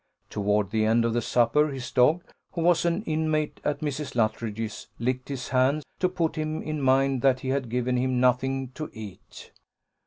Toward the end of the supper, his dog, who was an inmate at Mrs. Luttridge's, licked his hand to put him in mind that he had given him nothing to eat.